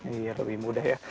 iya lebih mudah ya